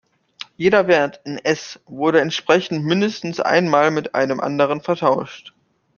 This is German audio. Jeder Wert in "S" wurde entsprechend mindestens einmal mit einem anderen vertauscht.